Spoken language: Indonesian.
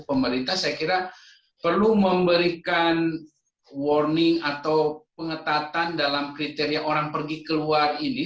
pemerintah saya kira perlu memberikan warning atau pengetatan dalam kriteria orang pergi keluar ini